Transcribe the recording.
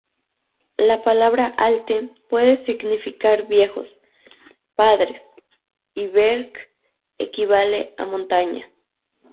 La palabra "Alten" puede significar "viejos", "padres" y "Berg" equivale a "montaña".